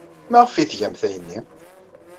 Maɣef ay tgamt ayenni?